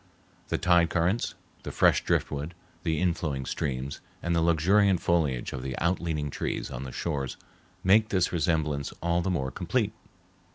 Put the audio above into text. The tide currents, the fresh driftwood, the inflowing streams, and the luxuriant foliage of the out leaning trees on the shores make this resemblance all the more complete.